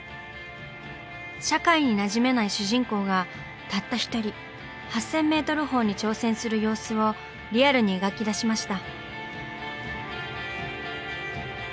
社会になじめない主人公がたった１人８，０００メートル峰に挑戦する様子をリアルに描き出しました。